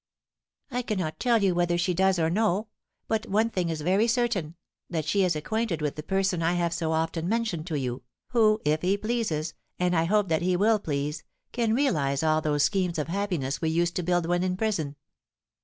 "I cannot tell you whether she does or no, but one thing is very certain, that she is acquainted with the person I have so often mentioned to you, who, if he pleases, and I hope that he will please, can realise all those schemes of happiness we used to build when in prison."